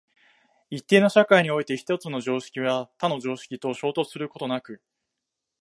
一定の社会において一つの常識は他の常識と衝突することなく、